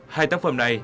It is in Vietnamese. hai tác phẩm này